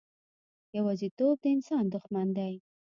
یوازیتوب د انسان دښمن دی.